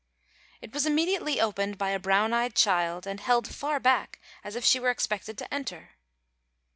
It was immediately opened by a brown eyed child, and held far back as if she were expected to enter.